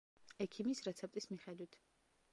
ექიმის რეცეპტის მიხედვით!